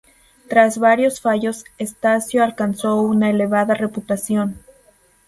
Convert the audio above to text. Tras varios fallos Estacio alcanzó una elevada reputación.